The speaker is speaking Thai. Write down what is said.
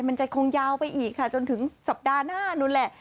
มันจะคงยาวไปอีกค่ะจนถึงสัปดาห์หน้านู้นแหละ